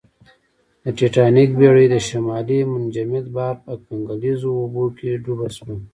د ټیټانیک بېړۍ د شمالي منجمند بحر په کنګلیزو اوبو کې ډوبه شوه